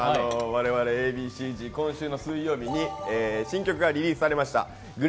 我々、Ａ．Ｂ．Ｃ−Ｚ、今週の水曜日に新曲がリリースされました。